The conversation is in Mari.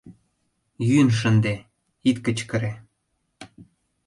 Йӱын шынде, ит кычкыре!..